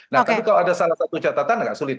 nah tapi kalau ada salah satu catatan nggak sulit